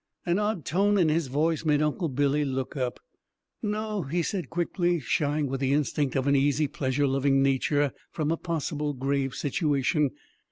An odd tone in his voice made Uncle Billy look up. "No," he said quickly, shying with the instinct of an easy pleasure loving nature from a possible grave situation.